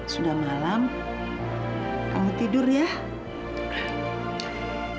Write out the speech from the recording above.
sebagai pimpinan dia mele kom waar kesitu datang terjaga